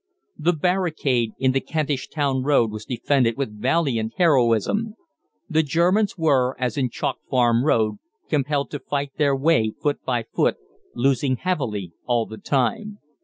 The barricade in the Kentish Town Road was defended with valiant heroism. The Germans were, as in Chalk Farm Road, compelled to fight their way foot by foot, losing heavily all the time.